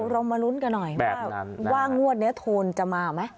เรามาลุ้นกันหน่อยว่างวดนี้โทนจะมาไหม